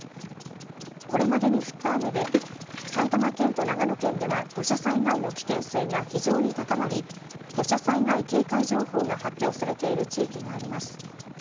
これまでに降った雨で埼玉県と長野県では土砂災害の危険性が非常に高まり土砂災害警戒情報が発表されている地域があります。